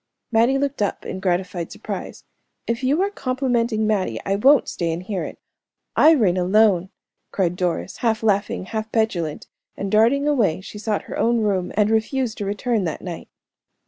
Mattie looked up in gratified surprise. "If you are complimenting Mattie, I won't stay and hear it; I reign alone!" cried Doris, half laughing, half petulant, and darting away she sought her own room, and refused to return that night.